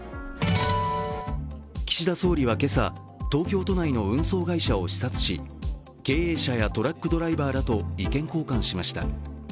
岸田総理は今朝、東京都内の運送会社を視察し、経営者やトラックドライバーらと意見交換しました。